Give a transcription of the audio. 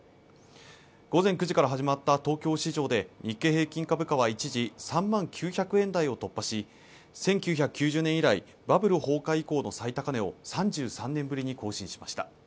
午前９時から始まった東京市場で、日経平均株価は一時３万９００円台を突破し１９９０年以来、バブル崩壊以降の最高値を３３年ぶりに更新しました。